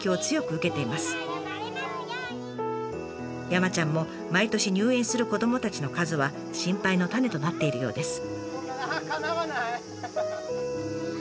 山ちゃんも毎年入園する子どもたちの数は心配の種となっているようです。